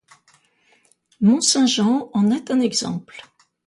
Mont-Saint-Jean en est un exemple.